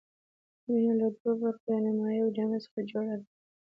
وینه له دوو برخو یعنې مایع او جامد څخه جوړه ده.